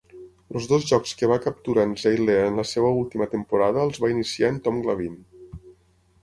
Els dos jocs que va capturar en Zeile en la seva última temporada els va iniciar en Tom Glavine.